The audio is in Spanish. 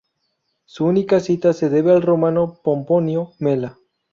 Su única cita se debe al romano Pomponio Mela.